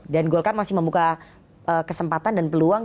dan golkar masih membuka kesempatan dan peluang